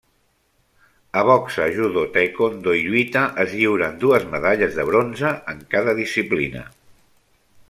A boxa, judo, taekwondo i lluita es lliuren dues medalles de bronze en cada disciplina.